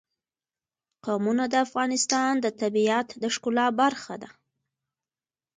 قومونه د افغانستان د طبیعت د ښکلا برخه ده.